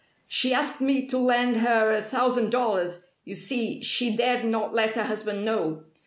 She asked me to lend her a thousand dollars (you see, she dared not let her husband know!)